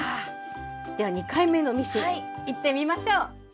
では２回目のミシンいってみましょう！